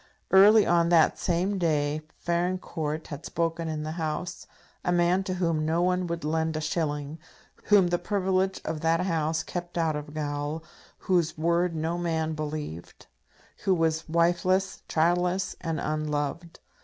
Early on that same day Farringcourt had spoken in the House, a man to whom no one would lend a shilling, whom the privilege of that House kept out of gaol, whose word no man believed; who was wifeless, childless, and unloved.